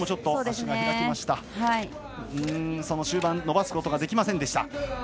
終盤伸ばすことができませんでした。